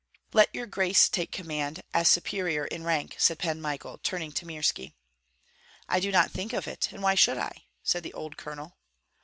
"Let your grace take command, as superior in rank," said Pan Michael, turning to Mirski. "I do not think of it, and why should I?" said the old colonel.